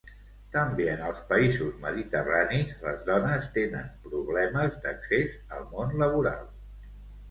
També en els països mediterranis les dones tenen problemes d'accés al món laboral.